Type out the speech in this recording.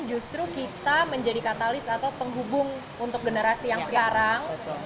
justru kita menjadi katalis atau penghubung untuk generasi yang sekarang